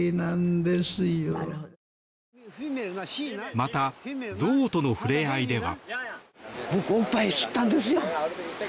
また、象との触れ合いでは。